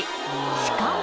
しかも。